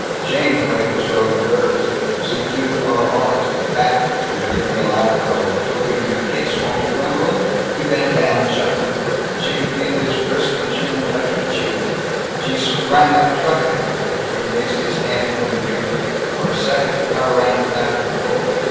Shame the way this road curves see too far along it. Fact, you're giving me a lot of trouble. But you'll give me a kiss, won't you, Gwendolyn?" He bent down, chuckling. She could feel his bristly chin touch her cheek. She sprang up, struck at him. He raised his hand from the wheel. For a second the car ran without control.